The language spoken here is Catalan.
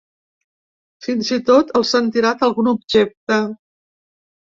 Fins i tot els han tirat algun objecte.